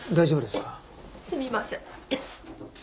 すみません。